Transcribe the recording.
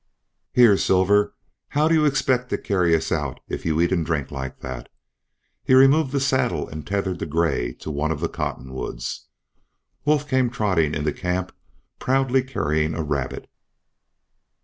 "Here, Silver, how do you expect to carry us out if you eat and drink like that?" Hare removed the saddle and tethered the gray to one of the cottonwoods. Wolf came trotting into camp proudly carrying a rabbit.